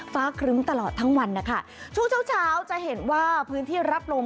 ครึ้มตลอดทั้งวันนะคะช่วงเช้าเช้าจะเห็นว่าพื้นที่รับลม